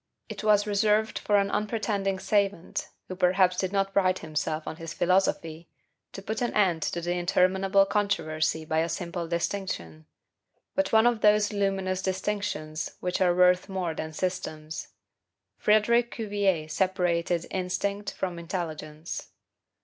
It was reserved for an unpretending savant who perhaps did not pride himself on his philosophy to put an end to the interminable controversy by a simple distinction; but one of those luminous distinctions which are worth more than systems. Frederic Cuvier separated INSTINCT from INTELLIGENCE.